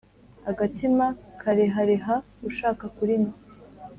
Agatima karehareha ushaka kurinywa